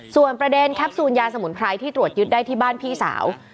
ส่วนประเด็นแคปซูลยาสมุนไพรที่ตรวจยึดได้ที่บ้านพี่สาว